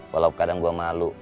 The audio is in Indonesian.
walau kadang gue malu